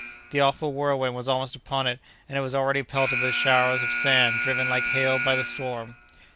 The awful whirlwind was almost upon it, and it was already pelted with showers of sand driven like hail by the storm.